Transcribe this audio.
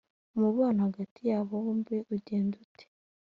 umubano hagati yabo bombi ugenda ute?